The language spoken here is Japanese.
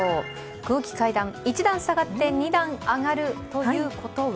空気階段、一段下がって二段上がるということは？